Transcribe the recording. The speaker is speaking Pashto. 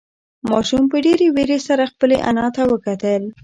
ماشوم په ډېرې وېرې سره خپلې انا ته وکتل.